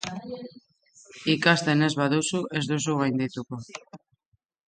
Ikasten ez baduzu, ez duzu gaindituko.